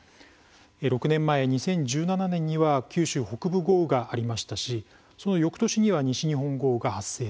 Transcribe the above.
６年前、２０１７年には九州北部豪雨がありましたしそのよくとしには西日本豪雨が発生。